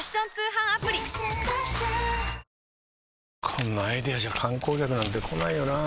こんなアイデアじゃ観光客なんて来ないよなあ